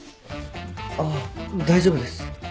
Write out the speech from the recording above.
あっ大丈夫です。